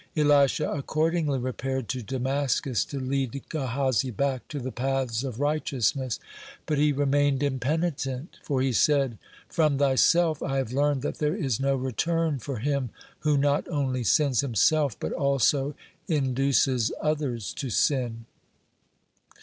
Elisha accordingly repaired to Damascus to lead Gehazi back to the paths of righteousness. But he remained impenitent, for he said: "From thyself I have learned that there is no return for him who not only sins himself, but also induces others to sin."